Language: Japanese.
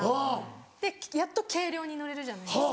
でやっと計量にのれるじゃないですか。